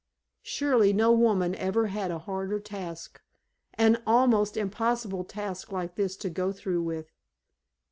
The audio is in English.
Surely no woman ever had a harder task an almost impossible task like this to go through with!